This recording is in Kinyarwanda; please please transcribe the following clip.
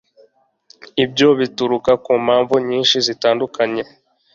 ibyo bituruka ku mpamvu nyinshi zitandukanye